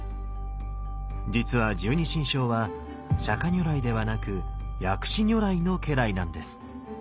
実は十二神将は釈如来ではなく薬師如来の家来なんです。